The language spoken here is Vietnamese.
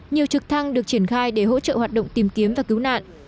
nhiều trực thăng được triển khai để hỗ trợ hoạt động tìm kiếm và cứu nạn